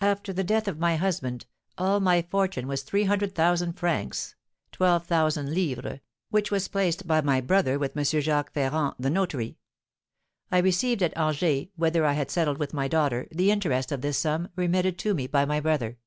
After the death of my husband, all my fortune was three hundred thousand francs (12,000_l._), which was placed by my brother with M. Jacques Ferrand, the notary; I received at Angers, whither I had settled with my daughter, the interest of this sum, remitted to me by my brother.